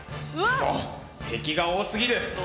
くそ！敵が多すぎる。